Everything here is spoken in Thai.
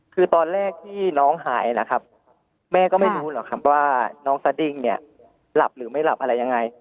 คือตอนแรกที่น้องหายนะครับแม่ก็ไม่รู้หรอกครับว่าน้องสดิ้งเนี่ยหลับหรือไม่หลับอะไรยังไง